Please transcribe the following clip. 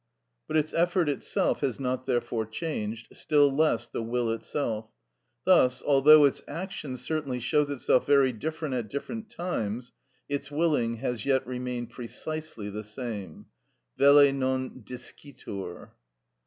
But its effort itself has not therefore changed, still less the will itself. Thus, although its action certainly shows itself very different at different times, its willing has yet remained precisely the same. _Velle non discitur.